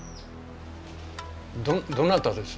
どどなたです？